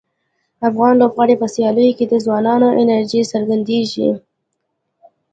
د افغان لوبغاړو په سیالیو کې د ځوانانو انرژي څرګندیږي.